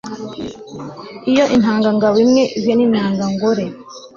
iyo intangangabo imwe ihuye n'intangangore